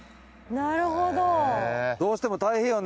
なるほど。